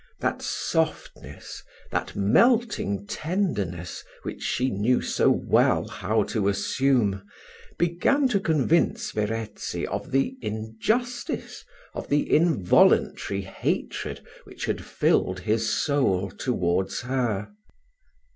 That softness, that melting tenderness, which she knew so well how to assume, began to convince Verezzi of the injustice of the involuntary hatred which had filled his soul towards her.